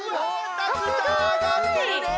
たくさんあがってるで。